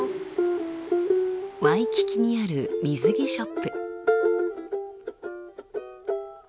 ワイキキにある水着ショップ。